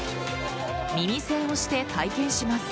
耳栓をして体験します。